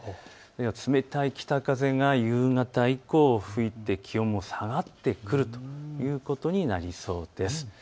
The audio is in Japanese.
冷たい北風が夕方以降、吹いて気温も下がってくるとなりそうです。